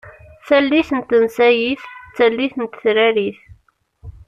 Tallit n tensayit d tallit n tetrarit.